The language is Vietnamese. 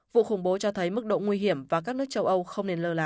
vụ khủng bố cho thấy mức độ nguy hiểm và các nước châu âu không nên lơ là